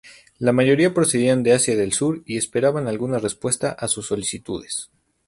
La mayoría procedían de Asia del Sur y esperaban alguna respuesta a sus solicitudes.